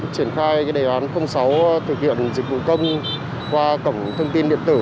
triển khai đề án sáu thực hiện dịch vụ công qua cổng thông tin điện tử